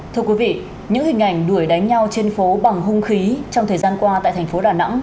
thưa quý vị những hình ảnh đuổi đánh nhau trên phố bằng hung khí trong thời gian qua tại thành phố đà nẵng